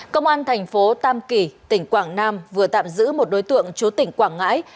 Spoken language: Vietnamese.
công an thành phố tam kỳ tỉnh quảng nam vừa tạm giữ một đối tượng chúa tỉnh quảng ngãi